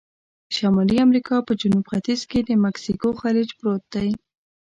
د شمالي امریکا په جنوب ختیځ کې د مکسیکو خلیج پروت دی.